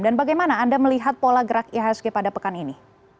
dan bagaimana anda melihat pola gerak ihsg pada pekan ini